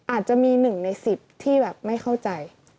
อาจจะมีหนึ่งในสิบที่แบบไม่เข้าใจ